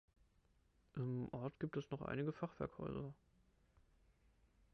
Im Ort gibt es noch einige Fachwerkhäuser.